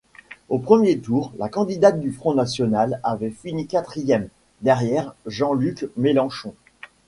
Au premier tour, la candidate du Front national avait fini quatrième, derrière Jean-Luc Mélenchon.